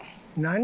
何？